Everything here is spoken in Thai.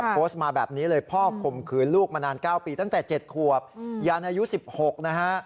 โพสต์มาแบบนี้เลยพ่อข่มขืนลูกมานาน๙ปีตั้งแต่๗ขวบยานอายุ๑๖นะฮะ